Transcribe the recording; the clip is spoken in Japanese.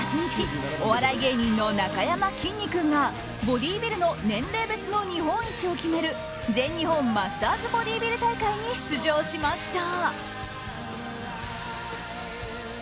お笑い芸人のなかやまきんに君がボディービルの年齢別の日本一を決める全日本マスターズボディビル大会に出場しました。